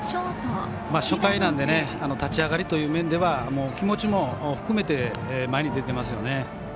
初回なので立ち上がりという面では気持ちも含めて前に出ていますよね。